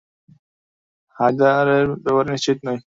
হায়দারের ব্যাপারে নিশ্চিত নই।